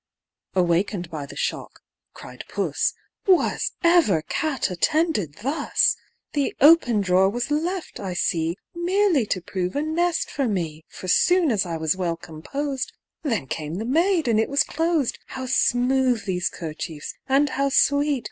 Awaken'd by the shock (cried Puss) "Was ever cat attended thus? The open drawer was left, I see, Merely to prove a nest for me, For soon as I was well composed, Then came the maid, and it was closed, How smooth these 'kerchiefs, and how sweet!